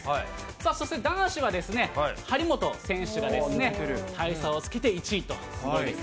そして、男子は張本選手が大差をつけて１位ということですね。